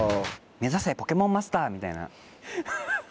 目指せポケモンマスター！みたいな。